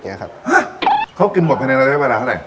ฮะเขากินหมดภายในเวลาเท่าไหร่